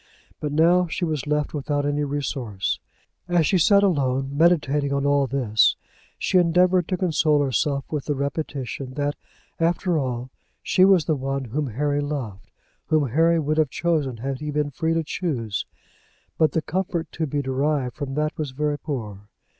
But now she was left without any resource. As she sat alone, meditating on all this, she endeavoured to console herself with the reflection that, after all, she was the one whom Harry loved, whom Harry would have chosen, had he been free to choose. But the comfort to be derived from that was very poor.